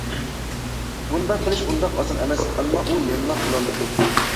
بۇنداق قىلىش ئۇنداق ئاسان ئەمەس، ئەمما ئۇ يەنىلا قىلالىدى.